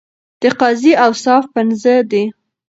د قاضی اوصاف پنځه دي.